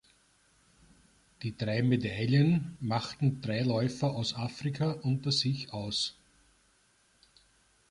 Die drei Medaillen machten drei Läufer aus Afrika unter sich aus.